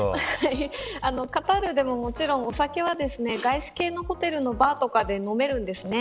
カタールでも、もちろんお酒は外資系のホテルのバーとかで飲めるんですね。